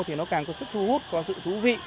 thì nó càng có sức thu hút và sự thú vị